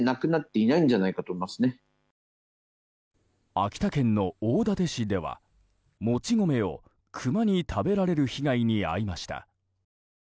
秋田県大館市ではもち米をクマに食べられる被害に遭いました。